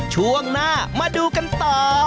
ช่วงหน้ามาดูกันต่อ